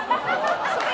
それ。